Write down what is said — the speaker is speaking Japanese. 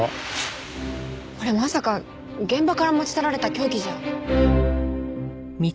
これまさか現場から持ち去られた凶器じゃ。